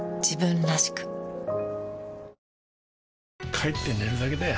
帰って寝るだけだよ